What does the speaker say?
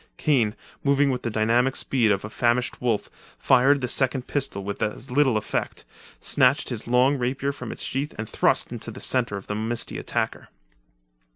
Kane, moving with the dynamic speed of a famished wolf, fired the second pistol with as little effect, snatched his long rapier from its sheath and thrust into the centre of the misty attacker.